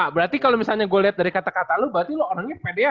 nah berarti kalau misalnya gue liat dari kata kata lu berarti lu orangnya kepedean ya